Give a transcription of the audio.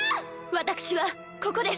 私はここです。